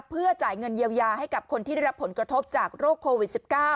เพื่อจ่ายเงินเยียวยาให้กับคนที่ได้รับผลกระทบจากโรคโควิด๑๙